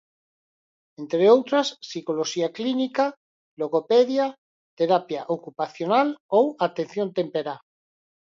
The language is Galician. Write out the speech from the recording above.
Entre outras, psicoloxía clínica, logopedia, terapia ocupacional ou atención temperá.